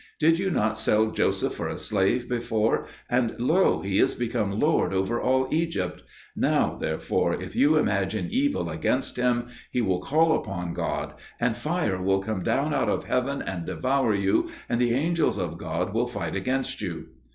Did you not sell Joseph for a slave before, and, lo! he is become lord over all Egypt? Now therefore, if you imagine evil against him, he will call upon God, and fire will come down out of heaven and devour you, and the angels of God will fight against you."